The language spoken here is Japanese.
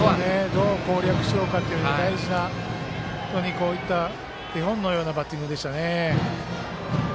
どう攻略しようかという大事な本当に手本のようなバッティングでしたね。